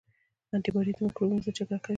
انټي باډي د مکروبونو ضد جګړه کوي